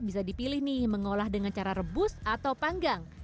bisa dipilih nih mengolah dengan cara rebus atau panggang